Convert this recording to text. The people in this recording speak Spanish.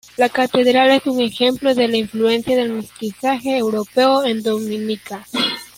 La catedral es un ejemplo de la influencia del mestizaje europeo en Dominica.